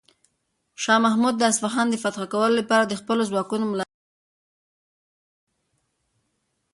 شاه محمود د اصفهان فتح کولو لپاره د خپلو ځواکونو ملاتړ ترلاسه کړ.